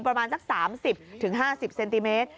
ประมาณสัก๓๐๕๐เซนติเมตร